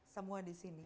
semua di sini